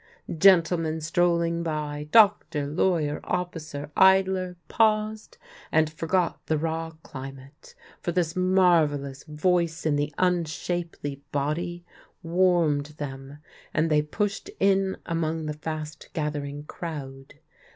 Gentlemen strolling by — doctor, lawyer, officer, idler — paused and forgot the raw climate, for this marvellous voice in the unshapely body v/armed them, and they pushed in among the fast gathering crowd.